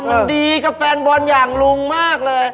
มันดีกับแฟนบอลอย่างลุงมากเลย